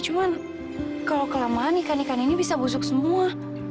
cuman kalau kelamaan ikan ikan ini bisa busuk semua